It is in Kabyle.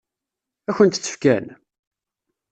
Ad kent-tt-fken?